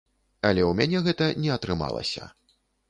Але ў мяне гэта не атрымалася.